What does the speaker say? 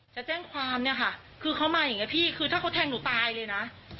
จะแจ้งความเนี่ยค่ะคือเขามาอย่างนี้พี่คือถ้าเขาแทงหนูตายเลยนะ